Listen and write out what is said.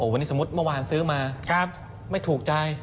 วันนี้สมมุติเมื่อวานซื้อมาไม่ถูกใจ